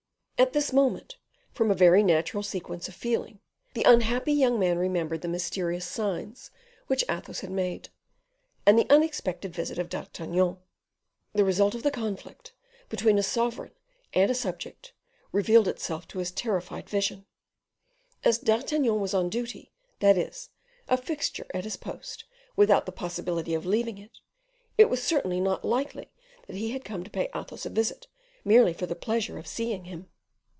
At this moment, from a very natural sequence of feeling, the unhappy young man remembered the mysterious signs which Athos had made, and the unexpected visit of D'Artagnan; the result of the conflict between a sovereign and a subject revealed itself to his terrified vision. As D'Artagnan was on duty, that is, a fixture at his post without the possibility of leaving it, it was certainly not likely that he had come to pay Athos a visit merely for the pleasure of seeing him.